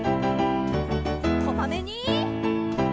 こまめに！